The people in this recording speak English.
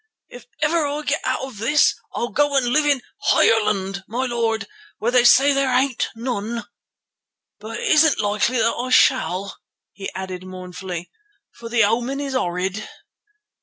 If ever I get out of this I'll go and live in Ireland, my lord, where they say there ain't none. But it isn't likely that I shall," he added mournfully, "for the omen is horrid."